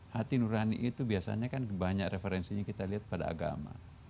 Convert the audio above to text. hati nurani itu biasanya kan banyak referensinya kita lihat pada agama